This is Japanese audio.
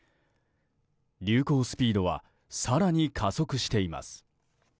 流行スピードは更に加速しています。